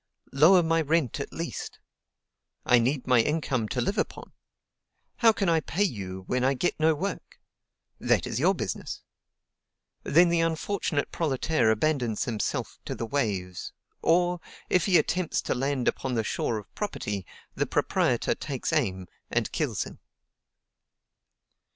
"Lower my rent at least." "I need my income to live upon." "How can I pay you, when I can get no work?" "That is your business." Then the unfortunate proletaire abandons himself to the waves; or, if he attempts to land upon the shore of property, the proprietor takes aim, and kills him.